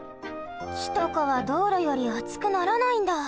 きとかはどうろよりあつくならないんだ！